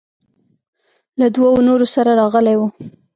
له دوو نورو سره راغلى و.